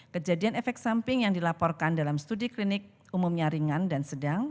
kejadian efek samping yang dilaporkan dalam studi klinik umumnya ringan dan sedang